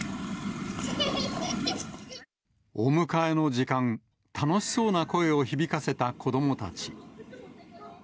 お迎えの時間、楽しそうな声を響かせた子どもたち。